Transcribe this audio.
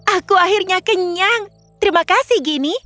aku akhirnya kenyang terima kasih gini